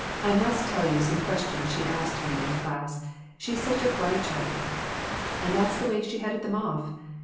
I must tell you some questions she asked me in the class. She's such a bright child.' And that's the way she headed them off.